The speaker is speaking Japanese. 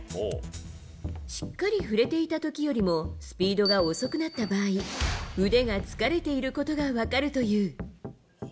しっかり振れていたときよりもスピードが遅くなった場合、腕が疲れていることが分かるという。